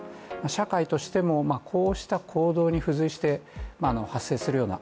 社会としてもこうした行動に付随して発生するような